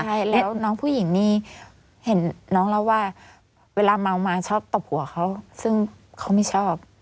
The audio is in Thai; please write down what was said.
ใช่แล้วน้องผู้หญิงนี่เห็นน้องเล่าว่าเวลาเมามาชอบตบหัวเขาซึ่งเขาไม่ชอบ